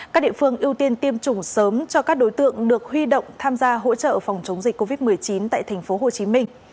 các địa phương ưu tiên tiêm chủng sớm cho các đối tượng được huy động tham gia hỗ trợ phòng chống dịch covid một mươi chín tại tp hcm